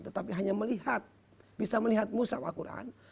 tetapi hanya melihat bisa melihat musab al qur'an